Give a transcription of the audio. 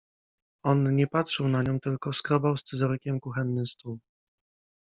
On nie patrzył na nią, tylko skrobał scyzorykiem kuchenny stół.